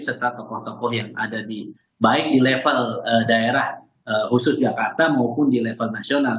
serta tokoh tokoh yang ada di baik di level daerah khusus jakarta maupun di level nasional